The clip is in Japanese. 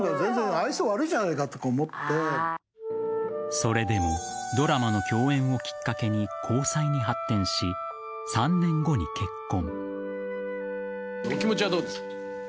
それでもドラマの共演をきっかけに交際に発展し３年後に結婚。